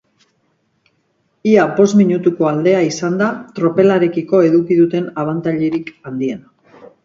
Ia bost minutuko aldea izan da tropelarekiko eduki duten abantailarik handiena.